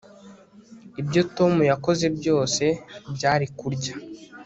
ibyo tom yakoze byose byari kurya